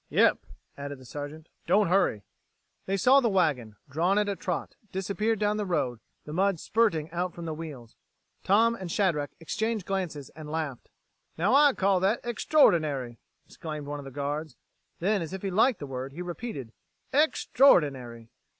"Yep," added the Sergeant, "don't hurry." They saw the wagon, drawn at a trot, disappear down the road, the mud spurting out from the wheels. Tom and Shadrack exchanged glances and laughed. "Now I call that extraordinary!" exclaimed one of the guards. Then, as if he liked the word, he repeated, "Extraordinary!"